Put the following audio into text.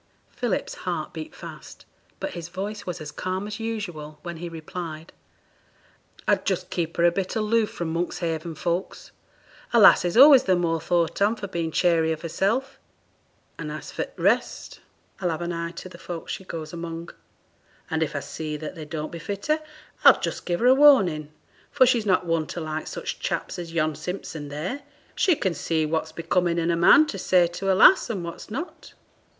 Philip's heart beat fast, but his voice was as calm as usual when he replied 'I'd just keep her a bit aloof from Monkshaven folks; a lass is always the more thought on for being chary of herself; and as for t' rest, I'll have an eye to the folks she goes among, and if I see that they don't befit her, I'll just give her a warning, for she's not one to like such chaps as yon Simpson there; she can see what's becoming in a man to say to a lass, and what's not.'